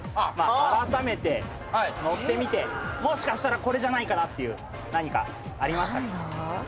あらためて乗ってみてもしかしたらこれじゃないかなっていう何かありましたか？